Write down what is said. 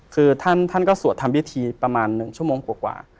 คือท่านก็สวดทำพิธีประมาณ๑ชั่วโมงกว่า